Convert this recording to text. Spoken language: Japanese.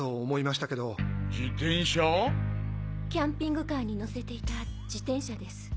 キャンピングカーに載せていた自転車です。